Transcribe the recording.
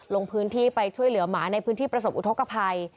ลงพื้นที่ไปช่วยเหลือหมาในพื้นที่ประสบอุทธกภัย